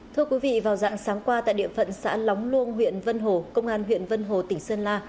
thưa quý vị vào dạng sáng qua tại địa phận xã lóng luông huyện vân hồ công an huyện vân hồ tỉnh sơn la